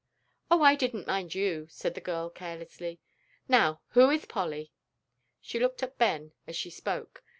"Oh, I didn't mind you," said the girl, carelessly. "Now, who is Polly?" She looked at Ben as she spoke.